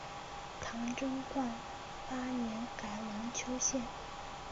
唐贞观八年改龙丘县。